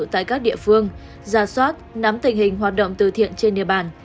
tại các địa phương giả soát nắm tình hình hoạt động từ thiện trên địa bàn